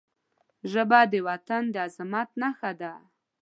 ژبه د وطن د عظمت نښه ده